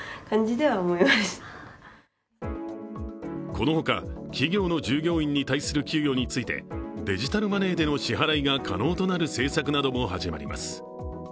この他、企業の従業員に対する給与についてデジタネマネーでの支払いが可能となる政策なども始まります。